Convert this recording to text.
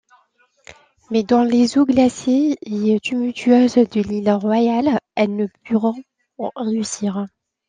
Mais, dans les eaux glacées et tumultueuses de l’île Royale, elles ne purent réussir.